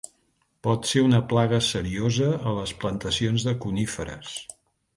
Pot ser una plaga seriosa a les plantacions de coníferes.